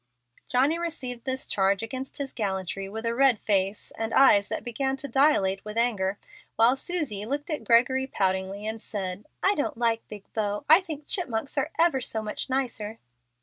Johnny received this charge against his gallantry with a red face and eyes that began to dilate with anger, while Susie looked at Gregory poutingly and said, "I don't like big beaux. I think chipmonks are ever so much nicer."